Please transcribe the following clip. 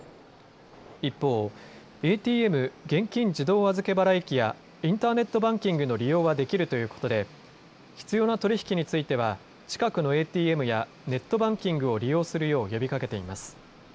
一方、ＡＴＭ・現金自動預け払い機やインターネットバンキングの利用はできるということで必要な取り引きについては近くのＡＴＭやネットバンキングを利用するよう呼びかけています。